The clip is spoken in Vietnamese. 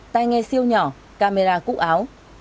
tai nghe siêu nhỏ camera cúc áo